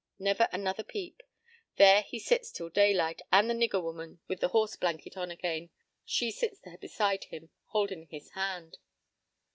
Never another peep. There he sits till daylight, and the nigger woman, with the horse blanket on again, she sits there beside him, holdin' his hand.